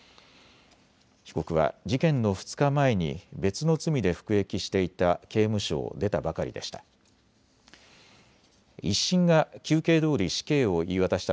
被告は事件の２日前に別の罪で服役していた刑務所を出たばかりでした。